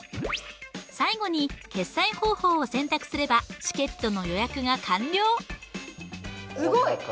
最後に決済方法を選択すればチケットの予約が完了すごい！